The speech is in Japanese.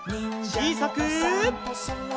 ちいさく。